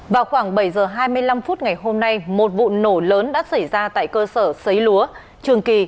vào khoảng bảy h hai mươi năm phút ngày hôm nay một vụ nổ lớn đã xảy ra tại cơ sở xấy lúa trường kỳ